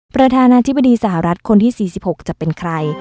ประธานาธิบดีสหรัฐคนที่๔๖จะเป็นใคร